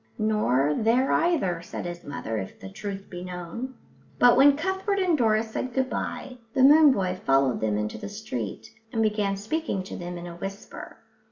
"Nor there either," said his mother, "if the truth was known." But when Cuthbert and Doris said good bye the moon boy followed them into the street and began speaking to them in a whisper.